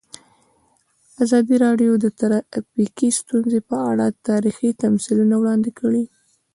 ازادي راډیو د ټرافیکي ستونزې په اړه تاریخي تمثیلونه وړاندې کړي.